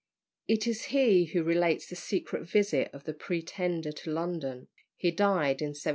It is he who relates the secret visit of the Pretender to London. He died in 1763.